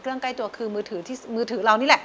เรื่องใกล้ตัวคือมือถือเรานี่แหละ